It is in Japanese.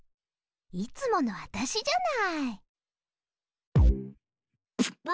いつものわたしじゃない？